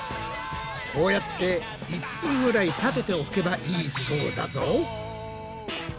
こうやって１分ぐらい立てておけばいいそうだぞ。